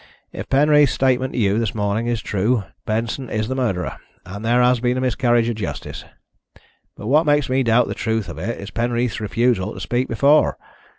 If Penreath's statement to you this morning is true, Benson is the murderer, and there has been a miscarriage of justice. But what makes me doubt the truth of it is Penreath's refusal to speak before.